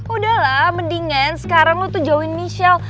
udahlah mendingan sekarang lo tuh join michelle